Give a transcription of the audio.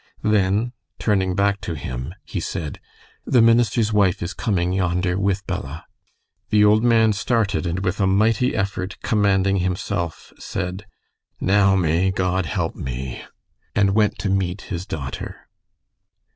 Then, turning back to him, he said: "The minister's wife is coming yonder with Bella." The old man started, and with a mighty effort commanding himself, said, "Now may God help me!" and went to meet his daughter.